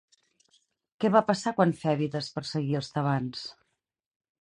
Què va passar quan Fèbides perseguia els tebans?